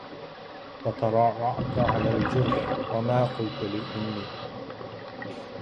وترعرعتُ على الجرح, وما قلت لأمي